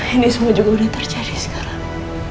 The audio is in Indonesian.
ini semua juga sudah terjadi sekarang